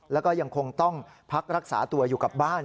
แล้วก็ยังคงต้องพักรักษาตัวอยู่กับบ้าน